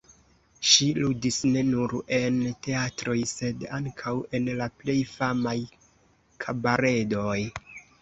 Ŝi ludis ne nur en teatroj, sed ankaŭ en la plej famaj kabaredoj.